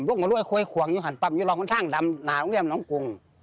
ร่วงมาร่วยโคยขวงอยู่หันปั๊มอยู่รองคนท่างดำหนาโรงเรียมน้องกรุง